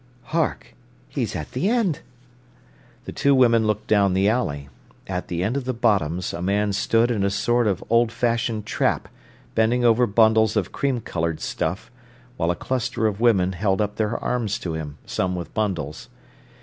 "Hark! He's at the end." The two women looked down the alley. At the end of the Bottoms a man stood in a sort of old fashioned trap, bending over bundles of cream coloured stuff; while a cluster of women held up their arms to him, some with bundles.